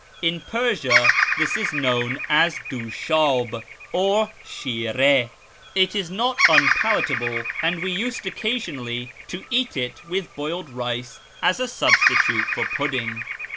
In Persia this is known as duslu'ib or sliird; it is not unpalatable, and we used occasionally to eat it with boiled rice as a substitute for pudding.